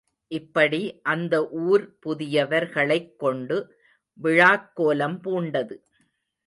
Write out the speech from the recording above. இப்படி அந்த ஊர் புதியவர் களைக் கொண்டு விழாக்கோலம் பூண்டது.